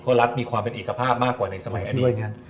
เพราะรัฐมีความเป็นเอกภาพมากกว่าในสมัยนั้น